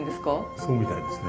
そうみたいですね。